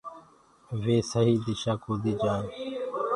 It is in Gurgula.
وي سهيٚ دِشآ ڪوديٚ جآئين۔